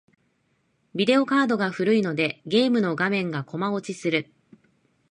ビデオカードが古いので、ゲームの画面がコマ落ちする。